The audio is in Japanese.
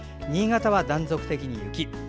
新潟は断続的に雪。